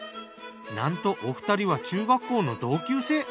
なんとお二人は中学校の同級生。